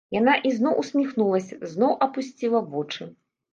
Яна зноў усміхнулася, зноў апусціла вочы.